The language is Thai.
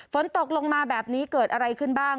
ฝนตกลงมาแบบนี้เกิดอะไรขึ้นบ้าง